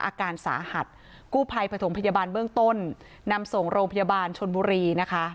อาการสาหัสกู้ภัยปฐมพยาบาลเบื้องต้นนำส่งโรงพยาบาลชนบุรีนะคะ